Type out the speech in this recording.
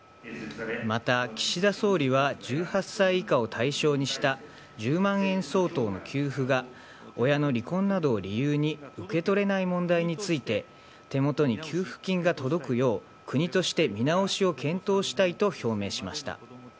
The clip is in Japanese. また岸田総理は、１８歳以下を対象にした１０万円相当の給付が、親の離婚などを理由に受け取れない問題について、手元に給付金が届くよう、国として見直しを検討したいと表明しました。